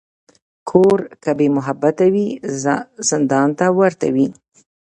کور که بېمحبته وي، زندان ته ورته وي.